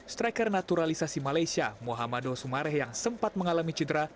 striker naturalisasi malaysia mohamado sumareh yang sempat mengalami cedera